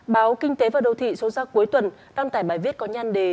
báo kinh tế và đầu thị xuống ra cuối tuần đăng tải bài viết có nhăn đề